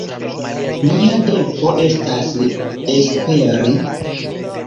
Nia devo estas esperi.